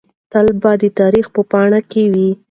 تل به د تاریخ په پاڼو کې وي.